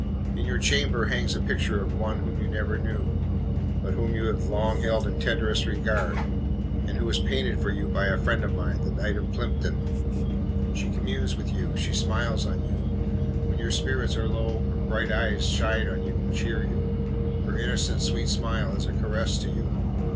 In your chamber hangs a picture of one whom you never knew, but whom you have long held in tenderest regard, and who was painted for you by a friend of mine, the Knight of Plympton. She communes with you. She smiles on you. When your spirits are low, her bright eyes shine on you and cheer you. Her innocent sweet smile is a caress to you.